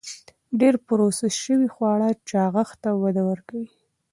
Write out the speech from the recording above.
ډېر پروسس شوي خواړه چاغښت ته وده ورکوي.